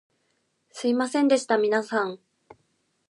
すみませんでした皆さん